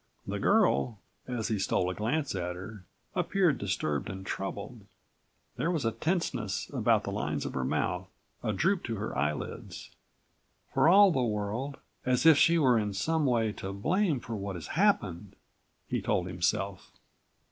The girl, as he stole a glance at her, appeared disturbed and troubled. There was a tenseness about the lines of her mouth, a droop to her eyelids. "For all the world as if she were in some way to blame for what has happened," he told himself.